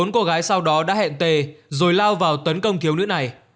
bốn cô gái sau đó đã hẹn t rồi lao vào tấn công thiếu nữ này